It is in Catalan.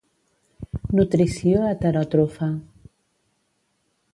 Nutrició heteròtrofa.